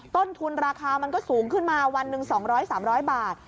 ต้นทุนราคามันก็สูงขึ้นมาวันหนึ่ง๒๐๐๓๐๐บาท